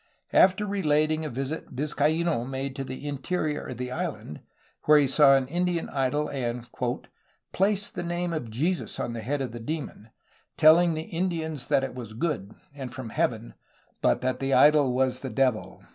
After relating a visit Vizcaino made to the in terior of the island, where he saw an Indian idol and "placed the name of Jesus on the head of the demon, telling the Indians that that was good, and from heaven, but that the idol was the devil."